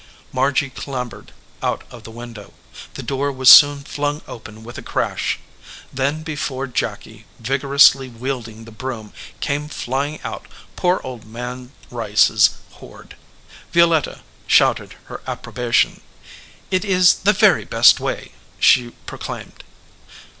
Margy clambered out of the window. The door was soon flung open with a crash. Then before Jacky, vigorously wielding the broom, came flying out poor Old Man Rice s hoard. Violetta shouted her approbation. "It is the very best way," she proclaimed.